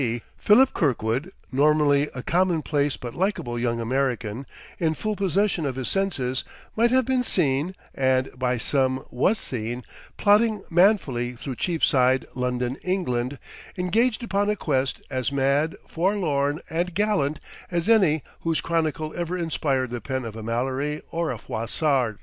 D., Philip Kirkwood, normally a commonplace but likable young American in full possession of his senses, might have been seen (and by some was seen) plodding manfully through Cheapside, London, England, engaged upon a quest as mad, forlorn, and gallant as any whose chronicle ever inspired the pen of a Malory or a Froissart.